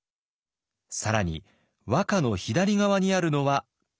更に和歌の左側にあるのは漢詩。